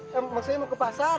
maksudnya mau ke pasar